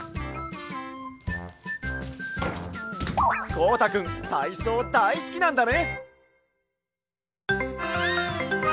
こうたくんたいそうだいすきなんだね！